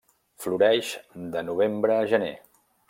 Floreix de novembre a gener.